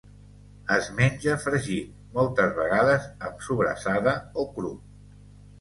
Es menja fregit, moltes vegades amb sobrassada, o cru.